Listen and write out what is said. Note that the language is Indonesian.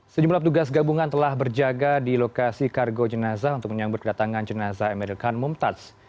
sejumlah petugas gabungan telah berjaga di lokasi kargo jenazah untuk menyambut kedatangan jenazah emeril khan mumtaz